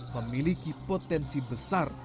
memiliki potensi besar